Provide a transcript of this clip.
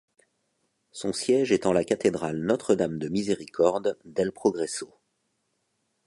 Son siège est en la cathédrale Notre-Dame-de-Miséricorde d'El Progreso.